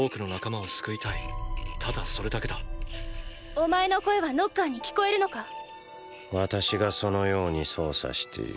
お前の声はノッカーに聞こえるのか⁉私がそのように操作している。